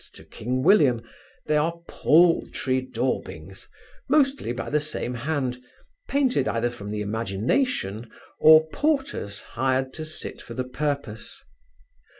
to king William, they are paultry daubings, mostly by the same hand, painted either from the imagination, or porters hired to sit for the purpose.